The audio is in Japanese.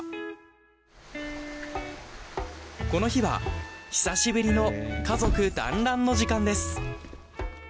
この日は久しぶりの家族だんらんの時間です。